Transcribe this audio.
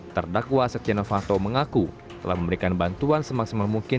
terdakwa setia novanto mengaku telah memberikan bantuan semaksimal mungkin